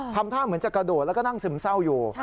ทำท่าเหมือนจะกระโดดแล้วก็นั่งซึมเศร้าอยู่